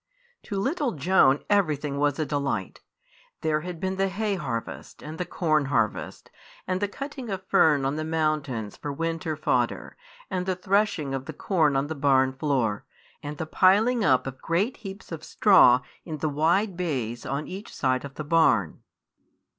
To little Joan everything was delightful. There had been the hay harvest, and the corn harvest, and the cutting of fern on the mountains for winter fodder, and the threshing of the corn on the barn floor, and the piling up of great heaps of straw in the wide bays on each side of the barn.